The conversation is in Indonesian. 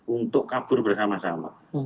untuk kabur bersama sama